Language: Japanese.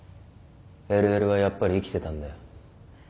ＬＬはやっぱり生きてたんだよ。